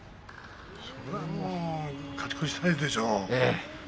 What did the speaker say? それは勝ち越したいでしょう。